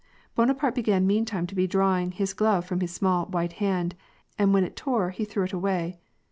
Bonaparte began meantime to be drawing his glove from his small, white hand, and when it tore, he threw it away.